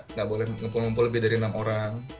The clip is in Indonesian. nggak boleh ngumpul ngumpul lebih dari enam orang